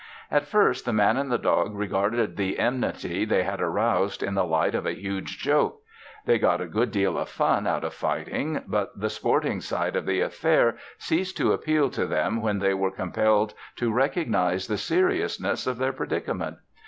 At first the Man and the dog regarded the enmity they had aroused in the light of a huge joke; they got a good deal of fun out of fighting. But the sporting side of the affair ceased to appeal to them when they were compelled to recognize the seriousness of their predicament.